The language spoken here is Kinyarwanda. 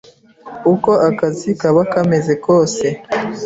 uko akazi kaba kameze kose